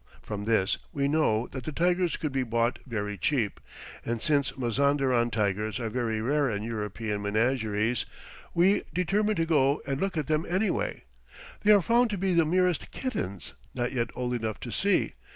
From this we know that the tigers could be bought very cheap, and since Mazanderan tigers are very rare in European menageries, we determine to go and look at them anyway. They are found to be the merest kittens, not yet old enough to see.